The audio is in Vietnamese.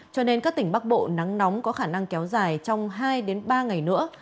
cho nên các tỉnh bắc bộ nắng nóng có khả năng kéo dài trong hai ba ngày nữa